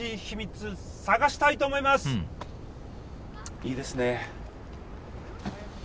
いいですね。